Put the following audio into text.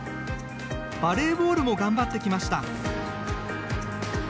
バレーボールも頑張ってきました。